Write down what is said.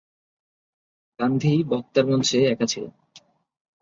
গান্ধী বক্তার মঞ্চে একা ছিলেন।